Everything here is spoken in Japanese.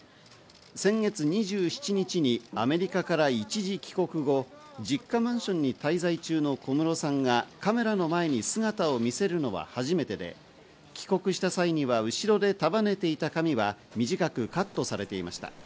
先月２７日にアメリカから一時帰国後、実家マンションに滞在中の小室さんがカメラの前に姿を見せるのは初めてで、帰国した際には後ろで束ねていた髪は短くカットされていました。